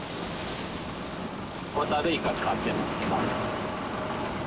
ホタルイカ使ってます。